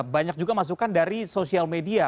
banyak juga masukan dari sosial media